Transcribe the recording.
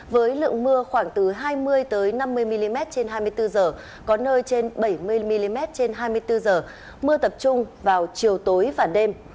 với lượng mưa khoảng từ hai mươi năm mươi mm trên hai mươi bốn h có nơi trên bảy mươi mm trên hai mươi bốn h mưa tập trung vào chiều tối và đêm